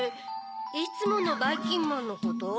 いつものばいきんまんのこと？